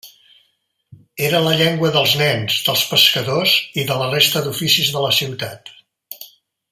Era la llengua dels nens, dels pescadors i de la resta d'oficis de la ciutat.